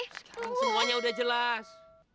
sekarang semuanya sudah jelas